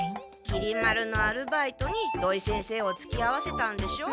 きり丸のアルバイトに土井先生をつきあわせたんでしょ。